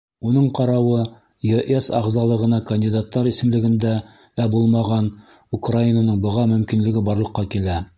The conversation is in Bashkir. Уның ҡарауы ЕС ағзалығына кандидаттар исемлегендә лә булмаған Украинаның быға мөмкинлеге барлыҡҡа килә.